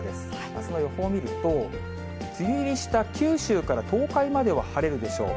あすの予報を見ると、梅雨入りした九州から東海までは晴れるでしょう。